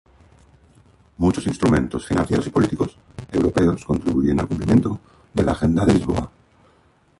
Muchos instrumentos financieros y políticos europeos contribuyen al cumplimiento de la Agenda de Lisboa.